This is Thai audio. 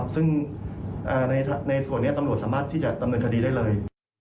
ซึ่งในส่วนนี้ตำรวจสามารถที่จะดำเนินคดีได้เลย